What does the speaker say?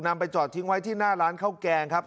ไปจอดทิ้งไว้ที่หน้าร้านข้าวแกงครับ